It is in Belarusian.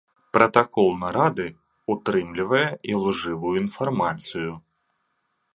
Пратакол нарады ўтрымлівае ілжывую інфармацыю.